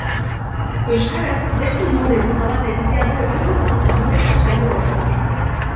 Euskaraz beste umore mota bat egitea du helburu umore saio berriak.